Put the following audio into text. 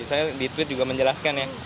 saya di tweet juga menjelaskan ya